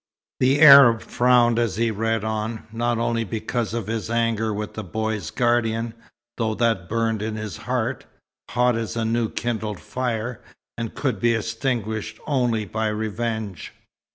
The Arab frowned as he read on, not wholly because of his anger with the boy's guardian, though that burned in his heart, hot as a new kindled fire, and could be extinguished only by revenge.